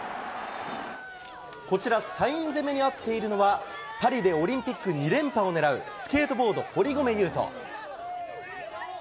こちら、サイン攻めに遭っているのは、パリでオリンピック２連覇を狙う、スケートボード、堀米雄斗。